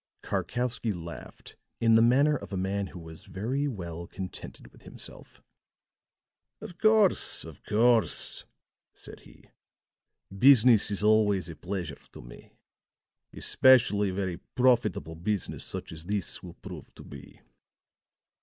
Karkowsky laughed in the manner of a man who was very well contented with himself. "Of course, of course," said he. "Business is always a pleasure to me. Especially very profitable business such as this will prove to be."